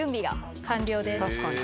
確かに。